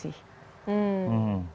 kasihi sesama tanpa pilih kasih